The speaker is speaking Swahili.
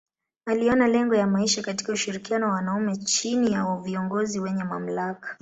Aliona lengo ya maisha katika ushirikiano wa wanaume chini ya viongozi wenye mamlaka.